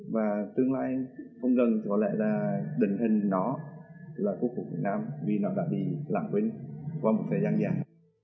và tương lai không gần có lẽ là định hình đó là phổ phục việt nam vì nó đã bị lạc quên qua một thời gian dài